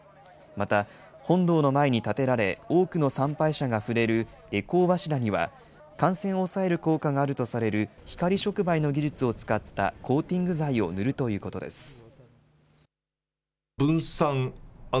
また、本堂の前に建てられ、多くの参拝者が触れる回向柱には、感染を抑える効果があるとされる光触媒の技術を使ったコーティング剤を塗るということです。